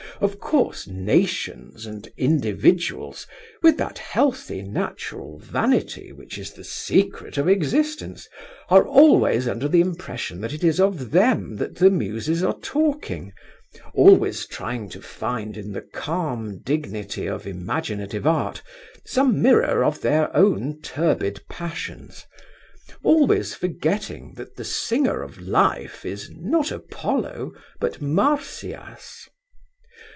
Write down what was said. Of course, nations and individuals, with that healthy natural vanity which is the secret of existence, are always under the impression that it is of them that the Muses are talking, always trying to find in the calm dignity of imaginative art some mirror of their own turbid passions, always forgetting that the singer of life is not Apollo but Marsyas.